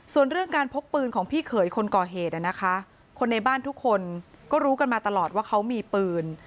ส่วนเรื่องการพกปืนของพี่เขยคนก่อเหตุนะคะคนในบ้านทุกคนก็รู้กันมาตลอดว่าเขามีปืน